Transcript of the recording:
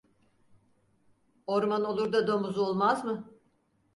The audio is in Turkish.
Orman olur da domuz olmaz mı?